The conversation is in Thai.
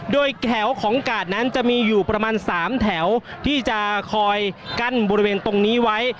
โดยแถวของกาดนั้นจะมีอยู่ประมาณ๓แถวที่จะคอยกั้นบริเวณตรงนี้ไว้